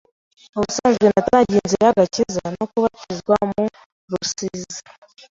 Ubusanzwe natangiye inzira y’agakiza no kubatizwa mu ( Rusizi)